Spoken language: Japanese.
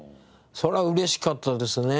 それは嬉しかったですね。